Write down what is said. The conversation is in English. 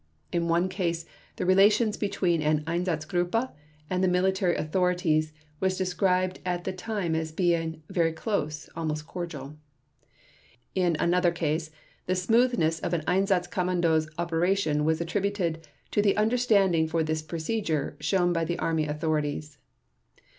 In one case the relations between an Einsatzgruppe and the military authorities was described at the time as being "very close, almost cordial"; in another case the smoothness of an Einsatzcommando's operation was attributed to the "understanding for this procedure" shown by the Army authorities.